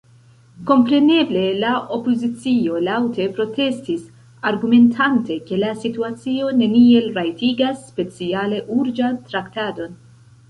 Kompreneble la opozicio laŭte protestis, argumentante, ke la situacio neniel rajtigas speciale urĝan traktadon.